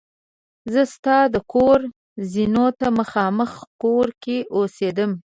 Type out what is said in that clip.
زه ستا د کور زینو ته مخامخ کور کې اوسېدم.